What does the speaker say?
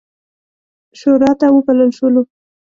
شوراته وبلل شولو.